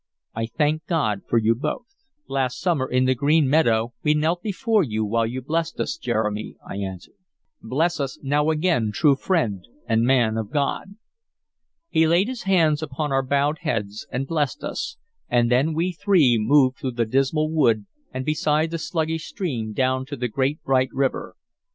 I thank God for you both." "Last summer, in the green meadow, we knelt before you while you blessed us, Jeremy," I answered. "Bless us now again, true friend and man of God." He laid his hands upon our bowed heads and blessed us, and then we three moved through the dismal wood and beside the sluggish stream down to the great bright river.